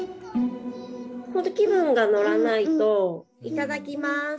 ほんと気分が乗らないと「いただきます」